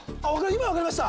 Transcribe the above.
今分かりました？